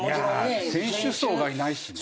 選手層がいないしね。